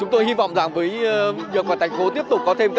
hay sự khám ơn và tollery b wheelb alumin t